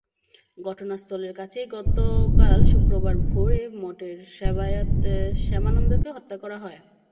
ঘটনাস্থলের কাছেই গতকাল শুক্রবার ভোরে মঠের সেবায়েত শ্যামানন্দকে হত্যা করা হয়।